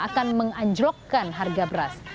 akan menganjurkan harga beras